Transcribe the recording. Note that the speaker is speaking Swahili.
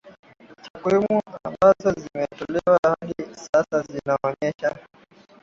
takwimu ambazo zimetolewa hadi sasa zinaonyesha